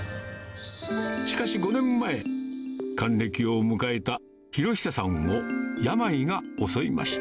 しかし５年前、還暦を迎えた浩久さんを病が襲いました。